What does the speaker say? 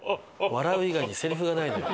笑う以外にせりふがないのよ。